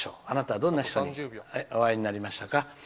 あなたはどんな人にお会いになりましたか？